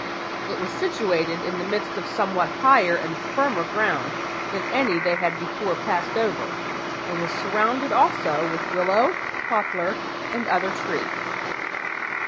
It was situated in the midst of somewhat higher and firmer ground than any they had before passed over, and was surrounded also with willow, poplar, and other trees.